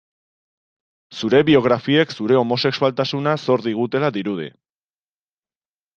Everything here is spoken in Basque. Zure biografiek zure homosexualtasuna zor digutela dirudi.